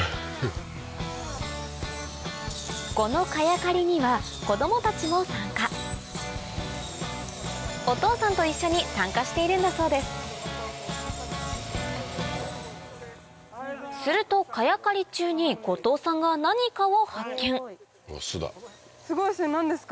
この茅刈りには子供たちも参加お父さんと一緒に参加しているんだそうですすると茅刈り中に五島さんが何かを発見すごいそれ何ですか？